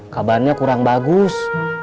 kabarnya kurang bagus